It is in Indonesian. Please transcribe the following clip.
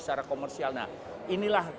secara komersial nah inilah